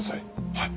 はい。